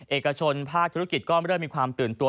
เอกชนภาคธุรกิจก็เริ่มมีความตื่นตัว